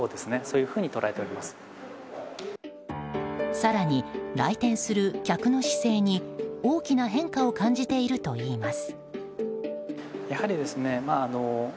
更に来店する客の姿勢に大きな変化を感じているといいます。